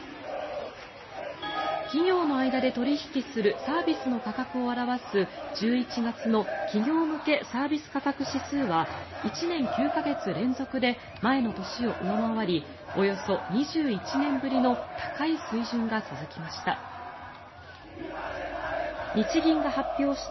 企業の間で取引するサービスの価格を表す、１１月の企業向けサービス価格指数は１年９か月連続で前の年を上回りおよそ２１年ぶりの高い水準が続きました。